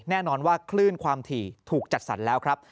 แน่นอนว่าคลื่นความถี่ถูกจัดสรรแล้วครับ